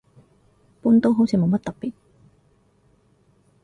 半島好似冇乜特別